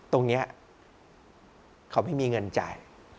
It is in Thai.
ตรงนี้เขาไม่มีเงินจ่าย